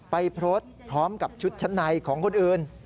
ไปโพสต์พร้อมกับชุดชั้นในของคนอื่น